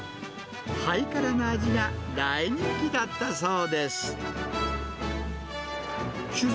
ハイカラな味が大人気だったそうです。